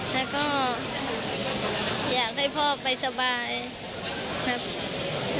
แล้วก็อยากให้พ่อไปสบายครับ